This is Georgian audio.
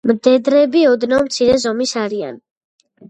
მდედრები ოდნავ მცირე ზომის არიან.